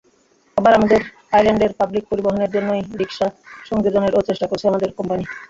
আবার আমাদের আইল্যান্ডের পাবলিক পরিবহনের জন্য ই-রিক্সা সংযোজনেরও চেষ্টা করছে আমাদের কোম্পানি।